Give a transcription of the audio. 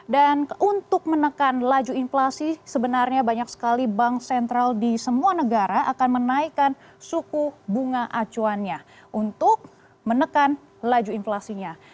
dan untuk menekan laju inflasi sebenarnya banyak sekali bank sentral di semua negara akan menaikkan suku bunga acuannya untuk menekan laju inflasinya